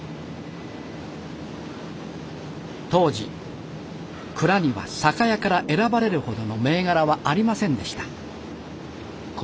当時蔵には酒屋から選ばれるほどの銘柄はありませんでした。